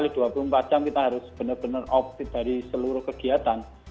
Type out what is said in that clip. satu x dua puluh empat jam kita harus benar benar off dari seluruh kegiatan